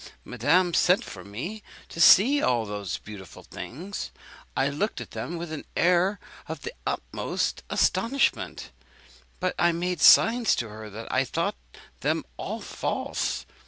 Madame sent for me to see all those beautiful things. I looked at them with an air of the utmost astonishment; but I made signs to her that I thought them all false.